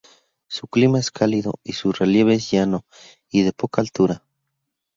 Su clima es cálido, y su relieve es llano y de poca altura.